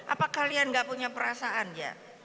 apa kalian gak punya perasaan ya